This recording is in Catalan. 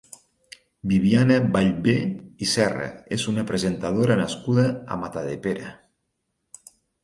Bibiana Ballbè i Serra és una presentadora nascuda a Matadepera.